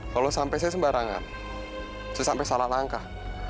kalau sampai saya sembarangan saya sampai salah langkah